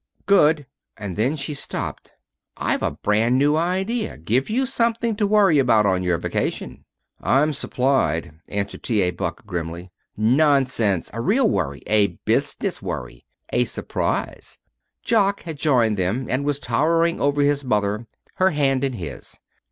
"Good " and then she stopped. "I've a brand new idea. Give you something to worry about on your vacation." "I'm supplied," answered T. A. Buck grimly. "Nonsense! A real worry. A business worry. A surprise." Jock had joined them, and was towering over his mother, her hand in his.